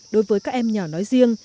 đối với các em nhỏ nói riêng